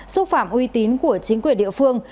xúc phạm uy tín của chính quyền địa phương